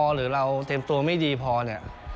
หรือเราเตรียมตัวไม่ดีพอเนี่ย